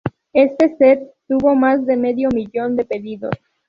Este set tuvo más de medio millón de pedidos.